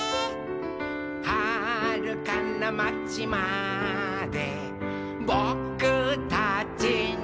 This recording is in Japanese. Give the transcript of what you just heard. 「はるかなまちまでぼくたちの」